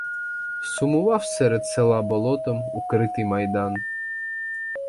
Сумував серед села болотом укритий майдан.